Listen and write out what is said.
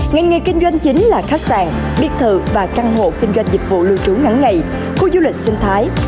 ngành nghề kinh doanh chính là khách sạn biệt thự và căn hộ kinh doanh dịch vụ lưu trú ngắn ngày khu du lịch sinh thái